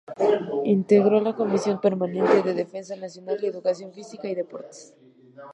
Integró la Comisión Permanente de Defensa Nacional; y Educación Física y Deportes.